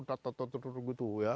tututututu gitu ya